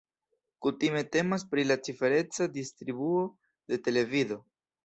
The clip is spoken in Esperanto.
Kutime temas pri la cifereca distribuo de televido.